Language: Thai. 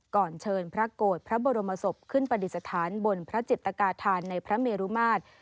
เชิญพระโกรธพระบรมศพขึ้นปฏิสถานบนพระจิตกาธานในพระเมรุมาตร